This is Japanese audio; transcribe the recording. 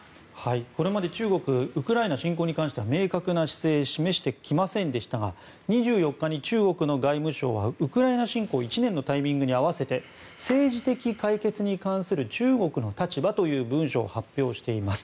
これまで中国ウクライナ侵攻に関しては明確な姿勢を示してきませんでしたが２４日に中国の外務省はウクライナ侵攻１年のタイミングに合わせて政治的解決に関する中国の立場という文書を発表しています。